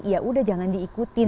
ya udah jangan diikutin